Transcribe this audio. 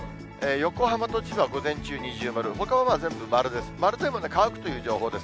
横浜と千葉、午前中、二重丸、ほかは全部丸です。